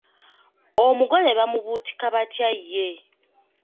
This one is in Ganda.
Omugole bamubutika batya ye?